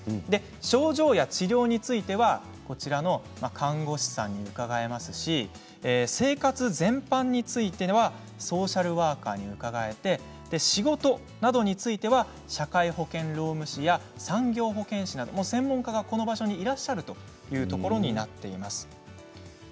症状や治療については看護師さんに伺えますし生活全般についてはソーシャルワーカーに伺えて仕事などについては社会保険労務士や産業保健士など専門家がここにいらっしゃるというところになっています。